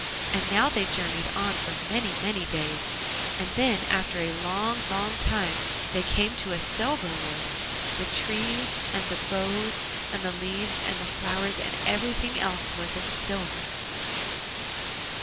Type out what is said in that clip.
And now they journeyed on for many, many days, and then after a long, long time they came to a silver wood. The trees, and the boughs, and the leaves, and the flowers, and everything else was of silver.